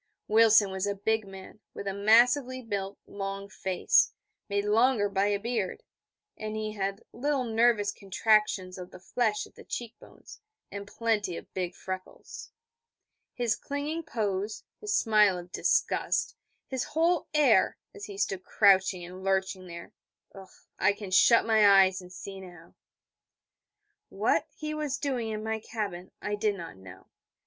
Wilson was a big man, with a massively built, long face, made longer by a beard, and he had little nervous contractions of the flesh at the cheek bones, and plenty of big freckles. His clinging pose, his smile of disgust, his whole air, as he stood crouching and lurching there, I can shut my eyes, and see now. What he was doing in my cabin I did not know.